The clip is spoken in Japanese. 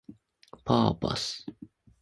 パーパス